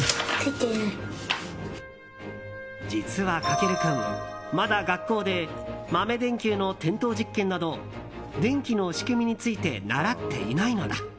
実は駆君まだ学校で豆電球の点灯実験など電気の仕組みについて習っていないのだ。